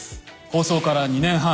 放送から２年半。